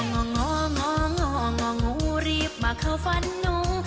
งงงงงเนวรีบมาเข้าฟันิง